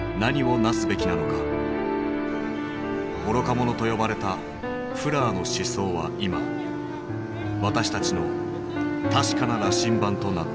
愚か者と呼ばれたフラーの思想は今私たちの確かな羅針盤となっている。